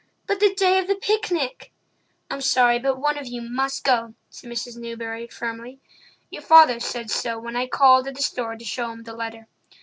But the day of the picnic!" "I'm sorry, but one of you must go," said Mrs. Newbury firmly. "Your father said so when I called at the store to show him the letter.